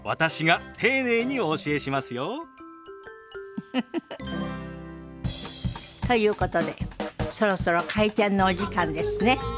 ウフフフ。ということでそろそろ開店のお時間ですね。